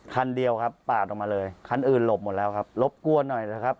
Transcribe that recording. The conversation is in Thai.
คันเดียวครับปาดออกมาเลยคันอื่นหลบหมดแล้วครับหลบกลัวหน่อยนะครับ